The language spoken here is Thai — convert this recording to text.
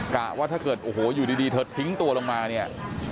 กะว่าถ้าเกิดโอ้โหอยู่ดีเธอทิ้งตัวลงมาเนี่ย